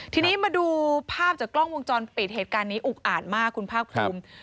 ทีนี้มาดูภาพจากกล้องวงจรปิดเหตุการณ์นี้อุกอ่านมากคุณภาคภูมิ